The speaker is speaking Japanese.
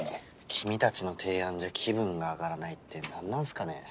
「君たちの提案じゃ気分が上がらない」って何なんすかね？